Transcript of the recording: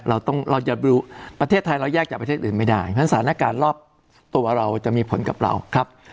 เราต้องเราจะดูประเทศไทยเราแยกจากประเทศอื่นไม่ได้เพราะฉะนั้นสถานการณ์รอบตัวเราจะมีผลกับเราครับ